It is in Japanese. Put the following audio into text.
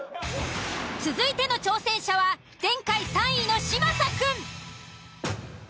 続いての挑戦者は前回３位の嶋佐くん。